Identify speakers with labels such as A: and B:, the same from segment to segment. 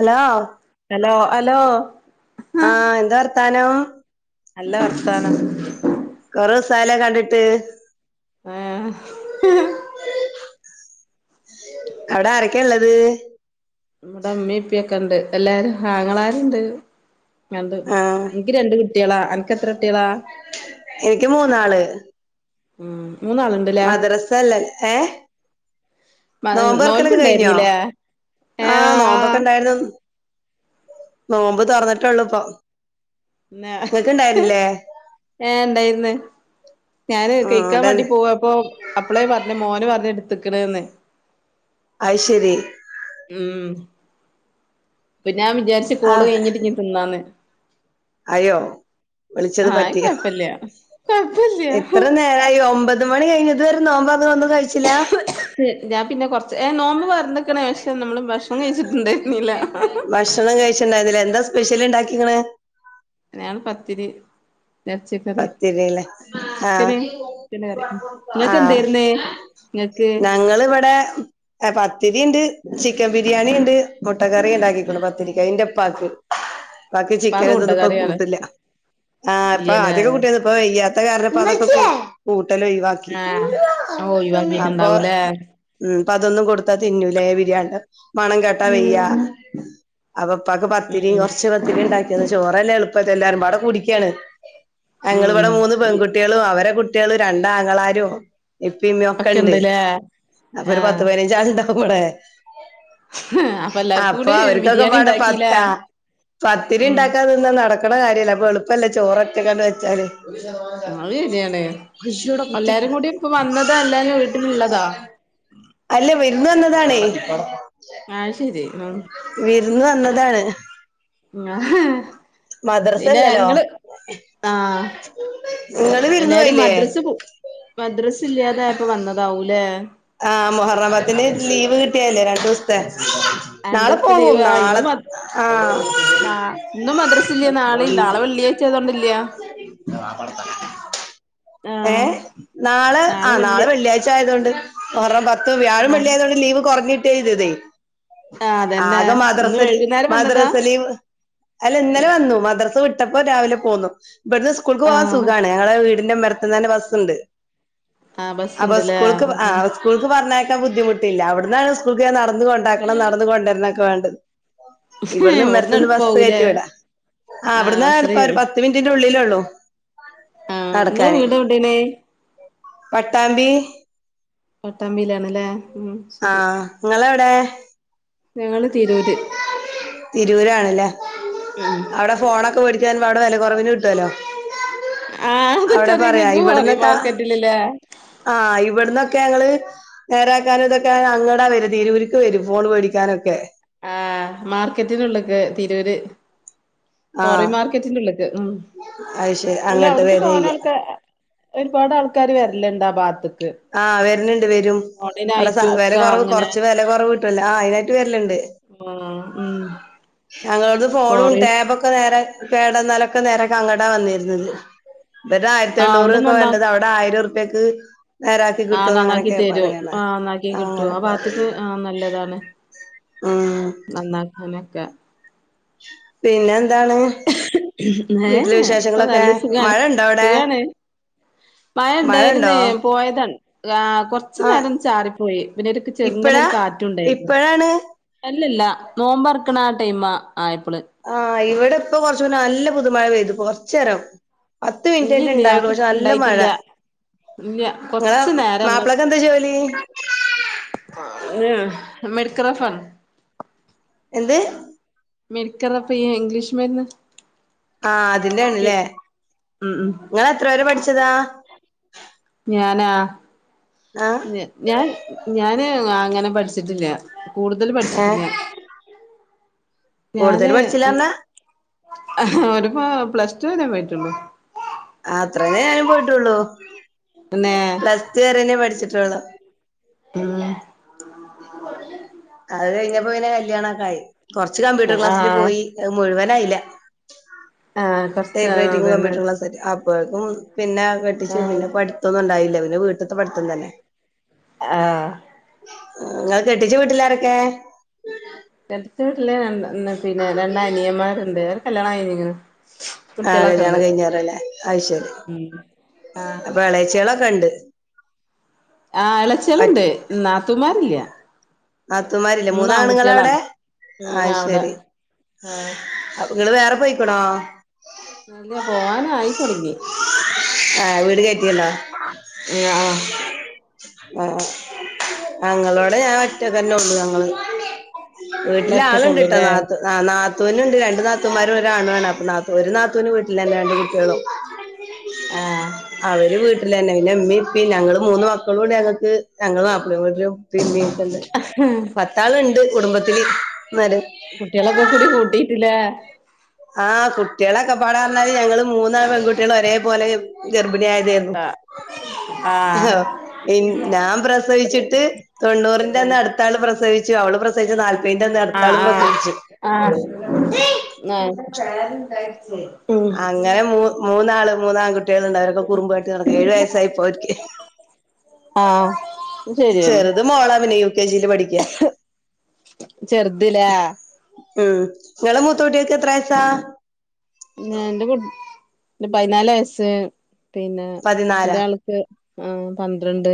A: Hello
B: hello hello ഹ.
A: ആഹ് എന്താ വർത്താനം
B: നല്ല വർത്താനം
A: കൊറേ ദിവസാലോ കണ്ടിട്ട്
B: ഏ
A: അവിടെ ആരൊക്കെയാ ഒള്ളത്
B: നമ്മടെ അമ്മിപ്പി ഒക്കെ ഒണ്ട് എല്ലാരും ഹങ്ങളാരുണ്ട് രണ്ട്
A: ആഹ്
B: എനിക്ക് രണ്ട് കുട്ടികളാ അനക്ക് എത്ര കുട്ടികളാ
A: എനിക്ക് മൂന്നാള്
B: ഉം മൂന്നാളുണ്ടല്ലേ
A: മദ്രസല്ലേ ഏ നോമ്പോർക്കല്ലക്കെ കഴിഞ്ഞോ
B: നോൽപ്പുണ്ടായിരുന്നില്ലേ
A: ആ
B: ഏഹ്
A: നോമ്പൊക്കെ
B: ആഹ്
A: ഇണ്ടായിരുന്നു നോമ്പ് തെറന്നിട്ടേള്ളു ഇപ്പൊ നിങ്ങക്കിണ്ടായിരുന്നില്ലേ
B: ഏ ഇണ്ടായിന്ന് ഞാന്
A: ആഹ്
B: കഴക്കാൻ
A: അവിടെ
B: വേണ്ടി പോവ അപ്പൊ അപ്പളേ പറഞ്ഞു മോന് പറഞ്ഞ് [unintelligible]
A: അയി ശരി
B: ഉം പിന്നെ ഞാൻ വിചാരിച്ച് കോള്
A: ആഹ്
B: കഴിഞ്ഞിട്ട് ഇനി തിന്നാന്ന്
A: അയ്യോ വിളിച്ചത്
B: ആഹ് അത്
A: പറ്റിയോ
B: കൊഴപ്പില്ല
A: എത്ര
B: കൊഴപ്പില്ല
A: നേരായി ഒമ്പത് മണി കഴിഞ്ഞത് വരെ നോമ്പ് അങ്ങ് ഒന്നും കഴിച്ചില്ല
B: ഞാൻ പിന്നെ കൊറച്ച് ഏ നോമ്പ് മറന്നിക്കണ് പക്ഷെ നമ്മള് ഭക്ഷണം കഴിച്ചിട്ടുണ്ടായിരുന്നില്ല
A: ക്ഷണം കഴിച്ചിണ്ടായിരിന്നില്ല എന്താ സ്പെഷ്യല്ണ്ടാക്കിഇരിക്കണേ
B: ഞാൻ പത്തിരി എറച്ചിക്കറി
A: പത്തിരില്ലേ ആ
B: ചിക്കന് ചിക്കന്റെ കറി
A: ആ
B: ഇങ്ങക്ക് എന്തേര്ന്ന് ഇങ്ങക്ക്
A: ഞങ്ങളിവടെ ആ പത്തിരിയിണ്ട് ചിക്കൻ ബിരിയാണിണ്ട് മുട്ട കറി ഉണ്ടാക്കിക്കോണ് പത്തിരിക്ക് എന്റെ ഉപ്പാക്ക് ബാക്കി ചിക്കൻ
B: പാകമുണ്ടോ
A: എന്തൊന്നും ഇപ്പ
B: കറികള്
A: കൂട്ടില്ല ആ ഇപ്പൊ
B: ഇല്ലല്ലേ
A: അധികം കുട്ടിയന്ന ഇപ്പ ഇല്ലാത്ത കാരണം കൂ ട്ടല് ഒഴിവാക്കി
B: ആഹ് അത്
A: അപ്പൊ
B: ഒഴിവാക്കിട്ടുണ്ടാവൂലേ
A: മ് അപ്പൊ അതൊന്നും കൊടുത്താ തിന്നൂലേ ബിരിയാണി മണം കേട്ടാ വെയ്യ അപ്പൊ ഇപ്പാക്ക് പത്തിരിയും
B: ഉം
A: കൊറച്ച് പത്തിരി ഉണ്ടാക്കിന്ന് ചോറല്ലേ എളുപ്പ എല്ലാരും പവിടെ കുടിക്കയാണ്
B: ഉം
A: ഞങ്ങളിവിടെ മൂന്ന് പെൺകുട്ടികളും അവരെ കുട്ടികളും രണ്ടാങ്ങളാരും ഇപ്പിമ്മി ഒക്കെ ഇണ്ട് അപ്പൊ ഒരു
B: ആഹ്
A: പത്ത് പതിനഞ്ചാളിണ്ടാകും ഇവടെ
B: എല്ലാർക്കും
A: അപ്പൊ
B: കൂടി
A: അവർക്കൊക്കെ
B: ബിരിയാണി
A: പാട
B: ഇണ്ടാക്കില്ലേ
A: പത്താ പത്തിരി
B: ഉം
A: ഇണ്ടാക്കാ നിന്നാ നടക്കണ കാര്യല്ല അപ്പൊ എളുപ്പല്ലേ ചോറൊക്കെ കണ്ട് വെച്ചാല്
B: അത് ശരിയാണ്
A: ഷടെ പത്തിക്ക
B: എല്ലാരും കൂടി ഇപ്പൊ വന്നതാ എല്ലാരും വീട്ടിലുള്ളതാ
A: [unintelligible] അല്ല വിരുന്ന് വന്നതാണേ
B: ആ ശരി ആ
A: ഇന്ന് വന്നതാണ് മദ്രസ
B: പിന്നെ
A: ഇല്ലല്ലോ
B: ഇങ്ങള് ആഹ്
A: നിങ്ങള് വിരുന്ന്
B: എല്ലാരും
A: പോയില്ലേ
B: മദ്രസ് പോ മദ്രസ് ഇല്ലാതായപ്പോ വന്നതാവൂലേ
A: ആ മൊഹറം പത്തിന് ലീവ് കിട്ടിയ രണ്ട് ദിവസത്തെ നാളെ
B: രണ്ടൂസത്തെ
A: പോവും
B: ലീവ് ആഹ് ഇന്ന്
A: നാളെ
B: മ
A: ആ
B: നാ ഇന്നും മദ്രസ ഇല്ല നാളെയും നാളെ വെള്ളിയാഴ്ച ആയതോണ്ടില്ല
A: വപ്പത്ത [unintelligible] ഏ
B: ആഹ്
A: നാളെ ആ നാളെ വെള്ളിയാഴ്ച ആയതൊണ്ട് ഒറം പത്ത് വ്യാഴം
B: ആഹ്
A: വെള്ളിയായതോടെ ലീവ് കൊറഞ്ഞിട്ടേ ഇതെ
B: ആഹ് അതന്നെ
A: ആകെ
B: ഇന്ന്
A: മദ്രസ
B: വൈകുന്നേരം വന്നതാ
A: മദ്രസലീവ് അല്ല ഇന്നലെ വന്നു മദ്രാസ വിട്ടപ്പോ രാവിലെ പോന്നു ഇവിടുന്ന് സ്കൂൾക്ക് പോകവാൻ
B: ആഹ്
A: സുഖാണ് ഞങ്ങളെ വീടിന്റെ മെർത്ത്ന്ന്ന്നെ ബസ്സുണ്ട്
B: ആഹ്
A: അപ്പൊ
B: ബസ്സുണ്ട്ല്ലേ
A: സ്കൂൾക്ക് ആ
B: ഉം
A: സ്കൂൾക്ക് പറഞ്ഞ ബുദ്ധിമുട്ടില്ല അവിടന്നാണ് സ്കൂൾക്ക നടന്ന കൊണ്ടാക്കണം നടന്ന കൊണ്ടുവരുന്നൊക്കെ വേണ്ടത് ഇവിടന്ന് ഇ
B: ഇവിടുന്ന്
A: മരത്തുനിന്ന് ബസ്സ്
B: എളുപ്പാവൂലേ
A: കയറ്റിവിടാ ആ
B: ആഹ്
A: അവിടന്നാ എപ്പ
B: ബസ്സില്
A: ഒരു പത്ത് മിന്റിന്റെ ഉള്ളിലള്ളോ
B: ആഹ് ഇങ്ങളെ
A: നടക്കാന്
B: വീട് എവിടേണ്
A: പട്ടാമ്പി
B: പട്ടാമ്പിയിലാണ്ല്ലേ ഉം
A: ആ
B: ശരി
A: നിങ്ങൾ എവിടെ
B: ഞങ്ങള് തിരൂര്
A: തിരൂരണല്ലേ
B: ഉം
A: അവിടെ ഫോണൊക്കെ മെടി ക്കാൻ അവിടെ വില കുറവിനു കിട്ടലോ
B: ആഹ് അതൊക്കെ
A: അവിടെ
B: അറിയ
A: പറയാ
B: ഇങ്ങക്ക് ഹോറി
A: ഇവിടന്നൊക്കെ
B: മാർക്കറ്റിലല്ലേ
A: ആ ഇവിടന്ന്ക്കെ ഒക്കെ ഞങ്ങള് നേരാക്കാനും ഇതൊക്കെ അങ്ങടാ വര തതിരുരുക്ക് വരും ഫോൺ പേടിക്കാനൊക്കെ
B: ആ മാർക്കറ്റിനുള്ളക്കെ തിരൂര് പോറി
A: ആഹ്
B: മാർക്കറ്റിന്റെള്ളേക്ക് ഉ
A: അത് ശരി
B: അല്ലേ
A: അങ്ങോട്ട്
B: അവിടക്ക്
A: വരയ്യ
B: തോന്നക്കെ ഒരുപാട് ആൾക്കാര് വരല്ലുണ്ട് ആ ഭാത്ത്
A: ആ വരലണ്ട് വരും അവിടെ
B: ഓണിനായിട്ടും
A: വില സ
B: ഒക്കെ
A: കുറവ്
B: അങ്ങനെ
A: കുറച്ച് വില കുറവ് കിട്ടുവല്ല ആ അയിനായിട്ട് വരലിയാണ്
B: ആ
A: ഞങ്ങളോട് ഫോണും
B: ഫോറീസ്
A: ടാബോക്കെ നേരെ കേടന്നാലൊക്കെ നേരെ കങ്ങടാ വന്നിരുന്നത് ഇവിടെ ആയിരത്തി
B: ആഹ്
A: എണ്ണൂർ
B: അവിടെ
A: ഒക്കെ വേണ്ടത് അവിടെ ആയിര ഉറുപ്യക്ക് നേരാക്കി
B: ആ
A: കിട്ടുംന്ന്
B: നന്നാക്കി
A: അങ്ങനൊക്കെ
B: തരൂ
A: പറയണ
B: ആ നന്നാക്കി കിട്ടു
A: അങ്ങനെ
B: ആ ഭാത്തക്ക്
A: പറയല്
B: ആ നല്ലതാണ്
A: ഉം
B: നന്നാക്കാനൊക്കെ
A: പിന്നെ എന്താണ് വീട്ടില്
B: ഏഹ് ഇപ്പൊ
A: വിശേഷങ്ങളൊക്കെ
B: നല്ല സുഖാണ്
A: മഴ ഉണ്ടോ അവിടെ
B: സുഖാണ് മഴ ഉണ്ടായിരുന്നേ പോയതാണ് ആ കൊറച്ചു
A: ആഹ്
B: നേരം ചാറിപ്പോയി പിന്നെ ചെറുങ്ങനെ
A: ഇപ്പഴാ
B: ഒരു കാറ്റും ഉണ്ടായിരുന്നു
A: ഇപ്പഴാണ്
B: ലില്ല നോമ്പറക്കണ ആ ടൈം മാ
A: ആഹ് ഇവിടെ ഇപ്പ കൊറച്ചു നല്ല പുതുമഴ പെയ്തു കൊറച്ച് നേരം പത്ത് മിനിറ്റ് അയിട്ട്
B: ഇല്ലില്ല
A: ഇണ്ടായിള്ളു പക്ഷെ നല്ല മഴ
B: ഉണ്ടായിട്ടില്ല ഇല്ല
A: നിങ്ങളെ
B: കൊറച്ചു നേരം
A: മാപ്പിളക്ക എന്താ ജോലി
B: ഏ മെഡിക്കൽ റഫ് ആണ്
A: എന്ത്
B: മെഡിക്കല് റബ് ഇംഗ്ലീഷ് മരുന്ന്
A: ആ അതിന്റെ ആണല്ലേ
B: ഉം ഉം
A: നിങ്ങൾ എത്ര വെരെ പഠിച്ചതാ
B: ഞാനാ
A: ആഹ്
B: ഞാൻ ഞാന് അങ്ങനെ പഠിച്ചിട്ടില്ല കൂടുതൽ
A: ഏഹ്
B: പഠിച്ചിട്ടില്ല
A: കൂടുതൽ
B: ഞാന്
A: പഠിച്ചില്ല പറഞ്ഞാ
B: ഒരുപ്പോ പ്ലസ് ടു വരെ പോയിട്ടുള്ളു
A: അത്രേനേ ഞാനും പോയിട്ടുള്ളു
B: പിന്നെ
A: പ്ലസ് ടു വരെനെ പഠിച്ചി റ്റുള്ളൂ
B: അഹ്
A: അത് കഴിഞ്ഞപ്പോ പിന്നെ കല്യാണക്കായി കുറച്ച് കമ്പ്യൂട്ടർ ക്ലാസ്സിന്
B: ആഹ്
A: പോയി മുഴുവൻ ഇല്ല ഇല്ല
B: ആഹ് കൊറച്ച്
A: ടപ്പ്റൈറ്റിംങ്
B: അതന്നെ
A: കംപ്യൂട്ടർക്ലാസ്സ്ക്ക് കൾക്കും പിന്നെ കെട്ടിച്ചു പിന്നെ പഠിത്തന്നും ഉണ്ടായില്ല പിന്നെ വീട്ടത്തെ പഠിത്തം തന്നെ
B: അഹ്
A: നിങ്ങൾ കെട്ടിച്ച വീട്ടിലാരൊക്കെ
B: കെട്ടിച്ച വിട്ടിൽ പിന്നെ രണ്ട് അനിയന്മാരുണ്ട് അവറെ കല്യാണം കഴിഞ്ഞിക്കണ്ണ
A: ആ കല്യാണം കഴിഞ്ഞറല്ലേ അഴിശേരി
B: ഉം ആഹ്
A: അപ്പൊ എളാച്ചികളൊക്കെ ഉണ്ട്
B: ആ എളച്ചളിണ്ട് നാത്തൂമാരില്ല
A: നാത്തുമാരില്ലേ
B: മൂന്ന്
A: മൂന്നാണുങ്ങള അവിടെ
B: ആൺകുട്ടികളാണ് ഉം അവിടെ
A: ആയിശരി
B: ആഹ്
A: അപ്പ ഇങ്ങള് വേറെ പോയിക്കണോ
B: ഇല്ല പോവാനായി തുടങ്ങി
A: ആ വീട് കയറ്റിയല്ലോ
B: ആഹ്
A: ആ ഞങ്ങളോടെ ഞാൻ ഒറ്റക്ക് തന്നെ ഉള്ളു ഞങ്ങള്
B: ഇങ്ങള്
A: വീട്ടില് ആളുണ്ട്ട്ടോ
B: ഒറ്റക്കൊള്ളൂല്ലേ
A: നാത്തൂ നാ നാത്തൂനുണ്ട് രണ്ട് നാത്തൂന്മാര ഒരാണ് ആണ് അപ്പൊാ ഒരു നാത്തൂവിന് വീട്ടിലാണ് രണ്ട് കുട്ടികളും
B: ആഹ്
A: അവര് വീട്ടിലന്നെ പിന്നെ ഇമ്മീ ഇപ്പയു ഞങ്ങള് മൂന്ന് മക്കളോട് ഞങ്ങൾക്ക് ഞങ്ങളും മാപ്പിളവീട്ടിലും പിന്നക്കണ്ട് പത്താളുണ്ട് കുടുംബത്തിൽ
B: കുട്ടികളൊക്കെ കൂടി കൂട്ടിട്ടിലെ
A: ആഹ കുട്ടികളൊക്കെ പാടാ പറഞ്ഞാല് ഞങ്ങള്ൾ മൂന്നാ പെൺകുട്ടികൾ ഒരേ പോോലെ ഉബനായതെന്നു
B: ആഹ് ആഹ്
A: ഞാൻ പ്രസവിച്ചിട്ട് തൊണ്ണൂറിന്റെന്ന അടുത്താള് പ്രസവിച്ച അവ
B: ആഹ ആഹ ആ
A: അങ്ങനെ മൂ മൂന്നാള് മൂന്നാം കട്ടി കുട്ടികളുണ്ടാവ അവരൊക്കെ കുറുമ്പു ആട്ട നടക്ക ഏഴു വയസ്സായിപ്പോയിരിക്കക്ക്
B: ആഹ
A: ചെറുത് മോളാവിനെ യു കെ ജി
B: ചെറുതല്ലേ
A: ഉം നിങ്ങളെ മൂത്തോട്ടിയക്ക് എത്രായസാ
B: ഞ എന്റെ പതിനാല് വയസ്സ് പിന്നെ
A: പതിനാലാ
B: എന്റെ ആൾക്ക് ആ പന്ത്രണ്ട്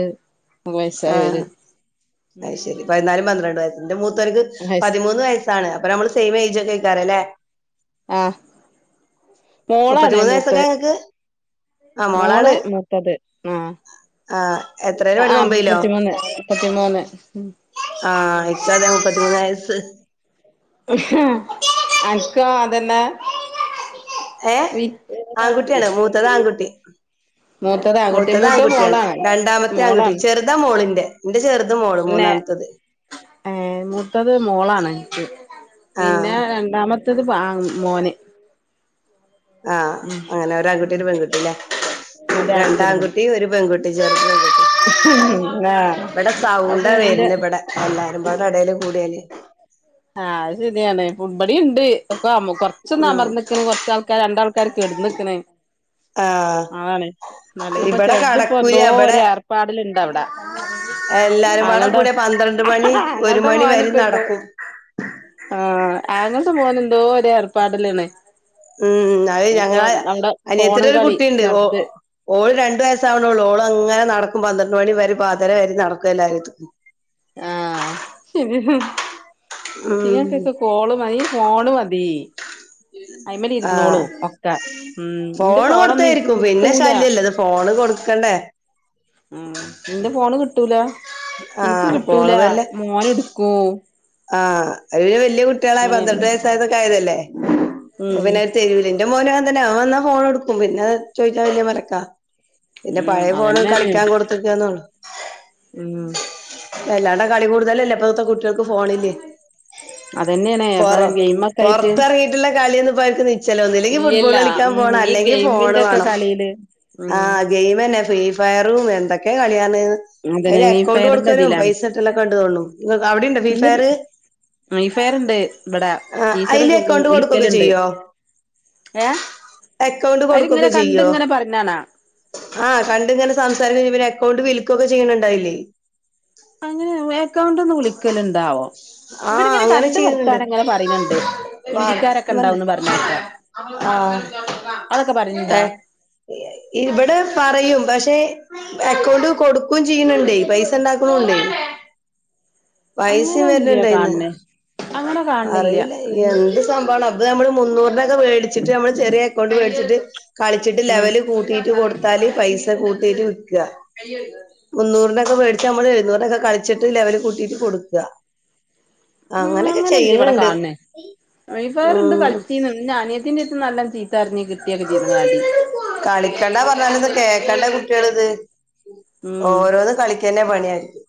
A: ആ
B: വയസ്സായവര്
A: അ ശരി പല് പന്ത്രണ്ട് വയ എന്റെ മൂത്തർക്ക്
B: വയസ്
A: പതിമൂന്ന് വയസാണ് അപ്പൊ നമ്മള് സെയിം ഏജ് ഒക്കെ കഴക്കാറല്ലേ
B: ആഹ മോളാണേ
A: മുപ്പത്തിമൂന്ന്
B: മൂത്ത്
A: വയസ്സൊക്കെ ഇങ്ങക്ക് ആഹ്
B: മോള്
A: മോളാണ്
B: മൊത്തത് ആഹ
A: ആഹ് എത്രേലാ പഠിക്ക
B: ആ
A: ഒമ്പയിലോ
B: പ്രത്തിമോനെ പ്രത്തിമോനെ
A: ആഹ ഇക്ക അതെ മുപ്പത്തിമൂന്ന് വയസ്സ്
B: അക്ക അതന്നെ
A: ഏഹ്
B: വിഏതാണ്
A: ആൺകുട്ടിയാണ്
B: വിത്ത
A: മൂത്തത് ആൺകുട്ടി മൂത്തത് ആൺകുട്ടിയാണ്
B: മോളാണ്
A: രണ്ടാമത്തെ ആൺകുട്ടി
B: മോളാണ്
A: ചെറുതാ മോളിന്റെ നിന്റെ ചെറുത മോള
B: പിന്നെ
A: മൂന്നാമത്തത്
B: മൂത്തത് മോളാണ് എനിക്ക് പിന്നെ
A: ആഹ്
B: രണ്ടാമത്തേത് മോന്െ
A: ആഹ് അങ്ങനെ ഒരു ആൺകുട്ടി
B: ഉം
A: ഒരു പെൺകുട്ടില്ലേ
B: മറ്റേ ആൺകുട്ടിയൊരു പെണ്ണ്
A: രണ്ടാൺകുട്ടി ഒരു പെൺകുട്ടി ചെറു പെൺകുട്ടി
B: ആഹ്
A: ഇവിടെ സൗണ്ട
B: അപ്പൊ എന്റെ
A: വരുന്ന ഇവിടെ എല്ലാരും ഇവിടെ ഇടൽും കൂടിയല്ല്
B: ആഹ് അത് ശരിയാണ് പുബടി ഉണ്ട് ഒപ്പൊ കൊറച്ചന്നാ
A: ഉം
B: പറഞ്ഞക്ക കൊറച്ചാൾക്കാർ രണ്ടാൾക്ക കക്ക വിടക്കന
A: ആഹ്
B: അതണെ നല്ലെങ്ക ഇപ്പൊ
A: ഇവിടെ
B: ചെറുത് ഇപ്പ
A: കടക്കൂല
B: എന്തോ
A: ഇവിടെ
B: ഒരു ഏർപ്പാടൽുണ്ട് അവിടെ
A: എല്ലാരും വട
B: ആങ്ങളുടെ
A: കൂടെ പന്ത്രണ്ട് മണി ഒരു മണി വര നടക്കും
B: ആഹ ആങ്ങൾത്തെ പോോന എന്തോ ഒ ഏർപ്പാടലാണ്
A: ഉം അത് ഞങ്ങള അനിയത്തി
B: ഫോണ്
A: ഒരു
B: കളി
A: കുട്ടിയുണ്ട് ഓ
B: ചെറുത്
A: ഓള് രണ്ടു വയസ്സാവണള്ളൂ ഓള് അങ്ങനെ നടക്കും പന്ത്രണ്ട് മണി വരെ പാതര വ നടക്കും എല്ലാരത്തക്കും
B: ആഹ
A: ഉം
B: ശരിങ്ങക്ക കോള് മതി ഫോണ് മതി കു
A: ഉ ആഹ
B: ഉം ഇന്റെ
A: ഫോണ്
B: ഫോണൊന്നും ഇൻക്ക്
A: കൊടുത്തായിരിക്കും പിന്നെ
B: കിട്ടൂല
A: ശല്യല്ലേ ഇത് ഫോണ് കൊടുക്കണ്ടേ
B: ഉ നിന്റെ ഫോണ് കിട്ടൂല എനക്ക്
A: ആഹ്
B: കിട്ടൂല
A: ഫോണ് വല്ല
B: മോന എടുക്കൂ
A: ആഹ് ഒരുര് വല്യ കുട്ടികളായി
B: അങ്ങനേണ്
A: പന്ത്രണ്ട് വയസ്സായതൊക്കെ ആയതല്ലേ
B: ഉം ഉം
A: പിന്നെ തെരുവലിന്റെ മോന് വന്ത അവൻ വാ ഫോൺ എടുക്കും പിന്നെ ചോദിച്ചാ വല്ിയ മരക്കാ പിന്നെ
B: ഉം
A: പഴയ ഫോണ്
B: അതന്നേണ്
A: കളിക്കാൻ കൊടുത്തിരിക്കന്നോള്ളു
B: ഉം
A: അല്ലാണ്ട കളി കൂടുതലല്ലേ ഇപ്പൊ ഇക്ക കുട്ടികൾക്ക് ഫോണില്േ
B: അതന്നേണ് അപ്പൊ
A: റ
B: ഗെയിമൊക്കെ ആയിട്ട്
A: പൊറത്തിറങ്ങിയിട്ടുള്ള കളിയൊന്ന് ചല ഒന്നല്ലെങ്കിൽ ഫുട്ബോൾ
B: ഇല്ല്യല്ല
A: കളിക്കാൻ
B: ഉം
A: പോണം
B: ഈ
A: അല്ലെങ്കിൽ ഫോൺ
B: ഗെയിമിന്റൊക്കെ
A: വേണം
B: കളീല്
A: ആ
B: ഉം
A: ഗെയിം തന്നെ ഫ്ര വേറും എന്തൊക്കെ ക
B: അതന്നെ
A: അന്
B: ഫ്രീ
A: അക്കൗണ്ട്
B: ഫയറിന്റെ
A: കൊടുക്കാനും
B: ഇതിലാണ്
A: പൈസെല്ലാം കണ്ട തൊും അവിടെ
B: ഇന്ന്
A: പേര്
B: ഫ്രീ ഫയറ്ണ്ട് ഇബടെ
A: ആ
B: ടീച്ചറ്
A: അതില അക്കൗണ്ട് കൊടുക്കൊക്കെ
B: വിളിക്കല്ണ്ട്
A: ചെയ്യോ
B: ഏഹ്
A: അക്കൗണ്ട്
B: അവരിങ്ങനെ
A: കൊടുക്കൊക്കെ
B: കണ്ട്
A: ചെയ്യോ
B: ഇങ്ങനെ പറഞ്ഞാണാ
A: ആ കണ്ട ഇങ്ങനെ സംസാരിക്ക പിന്നെ അക്കൗണ്ട് വിൽക്കൊക്കെ ചെയ്യണണ്ടായില്ലേ
B: അങ്ങനെ ഏക്കൗണ്ട ഒന്ന് വിളിക്കലുണ്ടാവോ
A: ആഹ
B: ഇവരിങ്ങനെ
A: അങ്ങനെ
B: കണ്ട്
A: ചെയ്യുന്നുണ്ട്
B: വർത്താനം ഇങ്ങനെ പറയണണ്ട് ഹിന്ദിക്കാരൊക്കെ
A: വർത്ത് ന്ന്ണ്ട്
B: ഉണ്ടാവുന്ന് പറഞ്ഞേക്കാ
A: ആഹ്
B: അതൊക്കെ പറയണുണ്ടാ
A: ഏഹ് ഇബടെ പറയും പക്ഷെ എക്കൗണ്ട് കൊടുക്കും ചെയ്യുണ് ണ്ടേ പൈസ ഉണ്ടാക്കുണുണ്ടെ പൈസി വെ
B: ല്യാ കാൺണെ അങ്ങനെ കാണ
A: അറിയില്ല എന്ത് സംഭവമണ് അപ്പ നമ്മള് മുന്നൂറിനൊക്കെ വേടിച്ചിട്ട് നമ്മള് ചെറിയ അക്കൗണ്ട് വേടിച്ചിട്ട് കളിച്ചിട്ട്
B: ഉം
A: ലെവൽ കൂട്ടിട്ട് കൊടുത്താൽ പൈസ കൂട് കട്ടീട്ട് വിൽക്കുക മുന്നൂറിന്റെ ഒക്കെ മേടിച്ചച്ച് നമ്മൾ എഴുന്നൂറി ഒക്കെ കളിച്ചിട്ട് ലെവൽ കൂട്ടിട്ട് കൊടുക്ക
B: ഉ അങ്ങനെല്ലേ ഇവിടെ കാണണേ വേറെണ്ട്
A: ഉം
B: കളിച്ചീന്ന ഞാന ന്റെ ത്ത് നല്ല
A: കളിക്കണ്ട പറഞ്ഞാലൊന്ന് കേ ണ്ട കുട്ട്യേളിത്
B: ഉം
A: ഓരോന്നും കളിക്കന്നെ പണി അവർക്ക്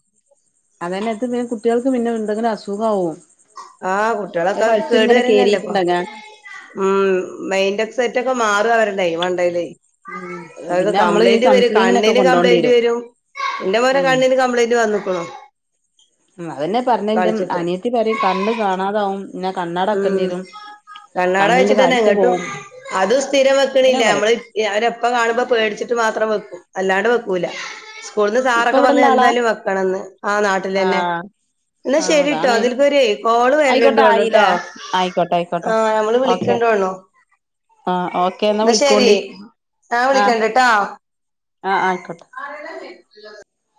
B: അതന്നെത്ത് പിന്നെ കുട്ട്യേൾക്ക് പിന്നെ എന്തെങ്കിലും അസുഖാ കും
A: ആഹ് കുട്ട്യേളൊക്കെ കേടരന്നെല്ലേപ്പം
B: കേറിയിട്ടുണ്ടങ്ങ
A: ഉം മയിന്റെെ സെറ്റൊക്കെ മാറവരുടെ വണ്ടയില്
B: ഉം
A: അതത്
B: പിന്നെ നമ്മള് ഈ
A: കംപ്ലൈന്റ് വരും
B: കൗൺസിലിങ്ങിനൊക്കെ
A: കണ്ണിന്
B: കൊണ്ടോണ്ടി
A: കംപ്ലൈന്റ് വരും എന്റെ മോന്റെ കണ്ണിന് കംപ്ലൈന്റ് വന്നക്ക്ണു
B: അതെന്നെ പറഞ്ഞെ ഇന്റെ അനിയത്തി പറി കണ്ണ് കാണാതാവും
A: ഉം
B: ണ്ണടക്കണ്ടീരും
A: കണ്ണാട വെച്ചിട്ടന്നെ ഇങ്ങട്ടും അതും സ്ഥിരം
B: അങ്ങനെ
A: വെക്കണില്ല
B: പറയും
A: നമ്മള് അവരെപ്പ കാണുമ്പോ പേടിച്ചി മാത്രം വെക്കൂ അല്ലാണ്ട് വെക്കൂല ഇസ്ക്കൂള്ന്ന്
B: ഇപ്പ
A: സാറൊക്കെ പറഞ്
B: ഇവിടെള്ള ആളാ
A: എന്തായാലും വെക്കണംന്ന് ആ നാട്ടിലെന്നെ
B: ആഹ്
A: എന്നാ
B: ആഹ്
A: ശരിട്ടോ
B: അതാണ്
A: തിൽക്കൊരു കോള്
B: ആയിക്കോട്ടെ
A: വരന്ണ്ടോന്ന് ട്ടോ
B: ആയില്ലേ ആയിക്കോട്ടെ ആയിക്കോട്ടെ
A: ആഹ് ഞമ്മള്
B: ഓക്കെ
A: വിളിക്ക്ണ്ടോണു
B: ആഹ് ഓക്കെ
A: എന്നാ ശരി
B: വിളിക്കോണ്ടി
A: നാളെ വിളിക്കണ്ട്ട്ടോ
B: ആഹ് ആഹ് ആയ്ക്കോട്ടെ
A: [inaudible]